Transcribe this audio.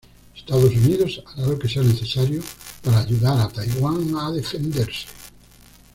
Estados Unidos hará lo que sea necesario para ayudar a Taiwan a defenderse".